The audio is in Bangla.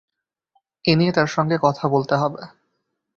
এ নিয়ে তাঁর সঙ্গে কথা বলতে হবে।